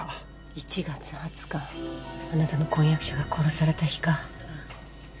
１月２０日あなたの婚約者が殺された日か。